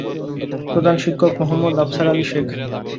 প্রধান শিক্ষক মোহাম্মদ আফসার আলি শেখ।